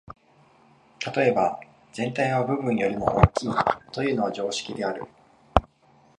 例えば、「全体は部分よりも大きい」というのは常識である。